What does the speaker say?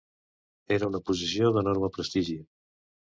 Era una posició d'enorme prestigi.